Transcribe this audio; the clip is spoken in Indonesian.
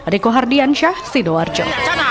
riko hardian syah sidoarjo